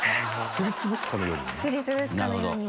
すりつぶすかのように。